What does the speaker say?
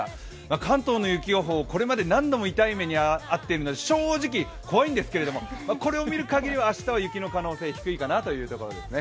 関東の雪予報、これまでに何度も痛い目に遭っているので、正直、怖いんですけどこれを見るかぎりは、明日は雪の可能性低いかなというところですね。